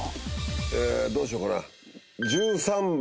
えどうしようかな。